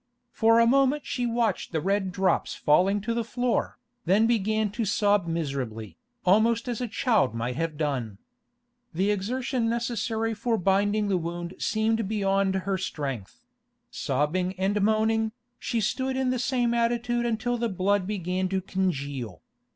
For a moment she watched the red drops falling to the floor, then began to sob miserably, almost as a child might have done. The exertion necessary for binding the wound seemed beyond her strength; sobbing and moaning, she stood in the same attitude until the blood began to congeal.